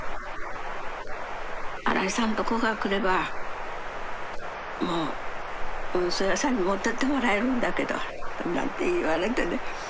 「新井さんとこが来ればもう運送屋さんに持ってってもらえるんだけど」なんて言われてね。